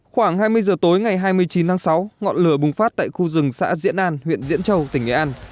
khoảng hai mươi giờ tối ngày hai mươi chín tháng sáu ngọn lửa bùng phát tại khu rừng xã diễn an huyện diễn châu tỉnh nghệ an